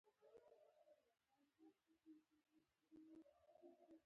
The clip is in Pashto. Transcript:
مونږ زرچوب ته کورکمان يايو